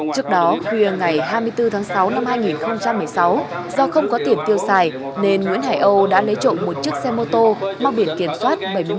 trước đó khuya ngày hai mươi bốn tháng sáu năm hai nghìn một mươi sáu do không có tiền tiêu xài nên nguyễn hải âu đã lấy trộn một chiếc xe mô tô mang biển kiểm soát